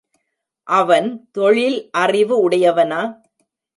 அவன் தொழில்அறிவு உடையவனா?